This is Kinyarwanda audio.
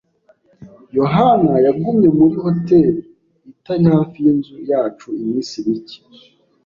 yohani yagumye muri hoteri itari hafi yinzu yacu iminsi mike.